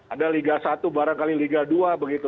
ada liga satu barangkali liga dua begitu